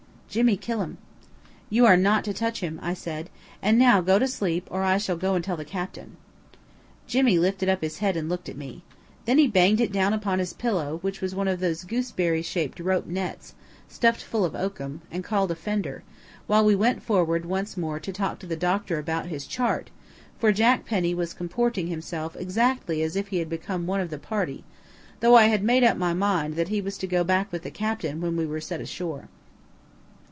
Jimmy kill um." "You are not to touch him," I said. "And now go to sleep or I shall go and tell the captain." Jimmy lifted up his head and looked at me. Then he banged it down upon his pillow, which was one of those gooseberry shaped rope nets, stuffed full of oakum, and called a fender, while we went forward once more to talk to the doctor about his chart, for Jack Penny was comporting himself exactly as if he had become one of the party, though I had made up my mind that he was to go back with the captain when we were set ashore.